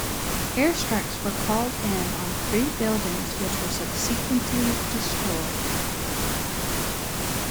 Air strikes were called in on three buildings which were subsequently destroyed.